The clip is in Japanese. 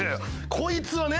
こいつはね